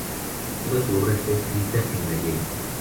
Toda su obra está escrita en gallego.